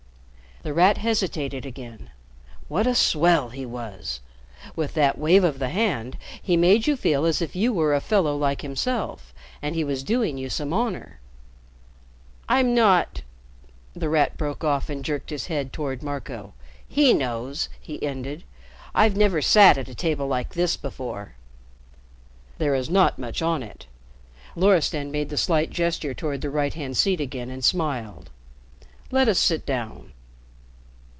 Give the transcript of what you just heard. The Rat hesitated again. What a swell he was! With that wave of the hand he made you feel as if you were a fellow like himself, and he was doing you some honor. "I'm not " The Rat broke off and jerked his head toward Marco. "He knows " he ended, "I've never sat at a table like this before." "There is not much on it." Loristan made the slight gesture toward the right hand seat again and smiled. "Let us sit down."